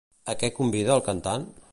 A què convida el cantant?